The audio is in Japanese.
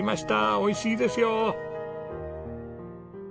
美味しいですよ！